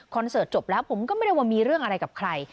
เสิร์ตจบแล้วผมก็ไม่ได้ว่ามีเรื่องอะไรกับใคร